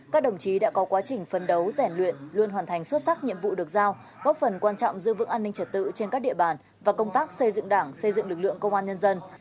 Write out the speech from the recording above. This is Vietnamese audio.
các đồng chí đã có quá trình phấn đấu rèn luyện luôn hoàn thành xuất sắc nhiệm vụ được giao góp phần quan trọng giữ vững an ninh trật tự trên các địa bàn và công tác xây dựng đảng xây dựng lực lượng công an nhân dân